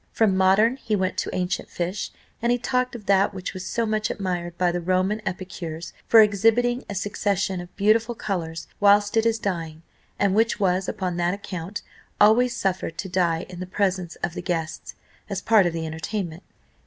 From modern he went to ancient fish, and he talked of that which was so much admired by the Roman epicures for exhibiting a succession of beautiful colours whilst it is dying; and which was, upon that account, always suffered to die in the presence of the guests, as part of the entertainment.